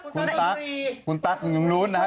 คุณตั๊กคุณตั๊กคุณลุงนู้นนะครับ